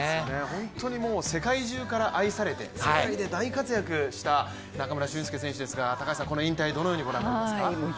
本当に世界中から愛されて世界で大活躍をした中村俊輔選手ですが、高橋さんこの引退、どのようにご覧になってますか？